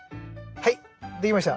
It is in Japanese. はいできました。